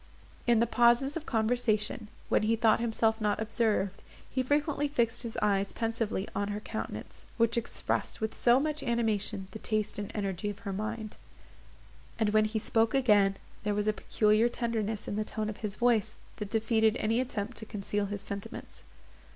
In the pauses of conversation, when he thought himself not observed, he frequently fixed his eyes pensively on her countenance, which expressed with so much animation the taste and energy of her mind; and when he spoke again, there was a peculiar tenderness in the tone of his voice, that defeated any attempt to conceal his sentiments.